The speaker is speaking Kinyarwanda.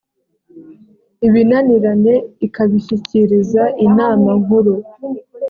ibinaniranye ikabishyikiriza inama nkuru